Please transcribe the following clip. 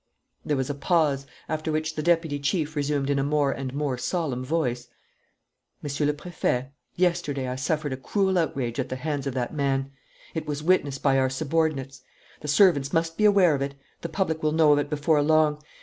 There was a pause, after which the deputy chief resumed in a more and more solemn voice: "Monsieur le Préfet, yesterday I suffered a cruel outrage at the hands of that man. It was witnessed by our subordinates. The servants must be aware of it. The public will know of it before long.